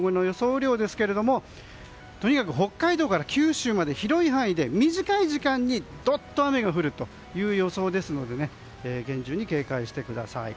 雨量ですがとにかく北海道から九州まで広い範囲で短い時間にどっと雨が降る予想ですので厳重に警戒してください。